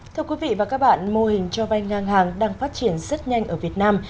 thưa quý vị và các bạn mô hình cho vay ngang hàng đang phát triển rất nhanh ở việt nam